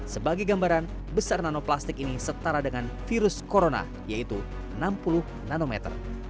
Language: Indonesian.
sebagai gambaran besar nanoplastik ini setara dengan virus corona yaitu enam puluh nanometer